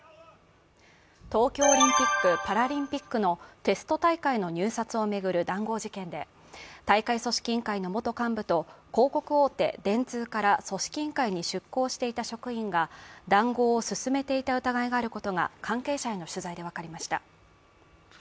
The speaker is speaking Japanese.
東京オリンピック・パラリンピックのテスト大会の入札を巡る談合事件で大会組織委員会の元幹部と広告大手・電通から組織委員会に出向していた職員が談合を進めていた疑いがあることが関係者への取材で分かりました。